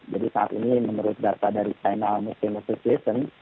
jadi saat ini menurut data dari china museum association